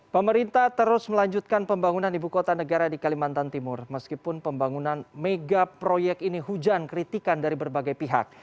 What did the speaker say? pemerintah terus melanjutkan pembangunan ibu kota negara di kalimantan timur meskipun pembangunan mega proyek ini hujan kritikan dari berbagai pihak